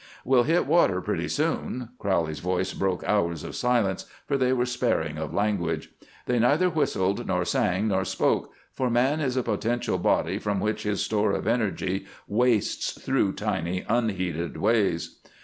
"We'll hit water pretty soon!" Crowley's voice broke hours of silence, for they were sparing of language. They neither whistled nor sang nor spoke, for Man is a potential body from which his store of energy wastes through tiny unheeded ways.